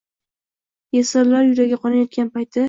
Yesirlar yuragi qonayotgan payti